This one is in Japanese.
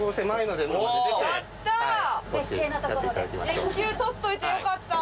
一級取っといてよかった！